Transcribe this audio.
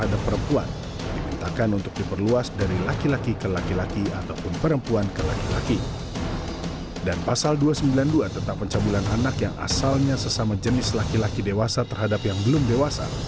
dan pasal dua ratus sembilan puluh dua tentang pencabulan anak yang asalnya sesama jenis laki laki dewasa terhadap yang belum dewasa